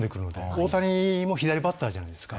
大谷も左バッターじゃないですか。